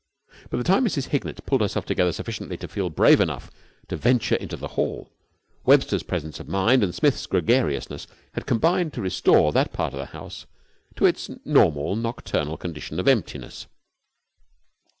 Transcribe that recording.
By the time Mrs. Hignett had pulled herself together sufficiently to feel brave enough to venture into the hall, Webster's presence of mind and Smith's gregariousness had combined to restore that part of the house to its normal nocturnal condition of emptiness.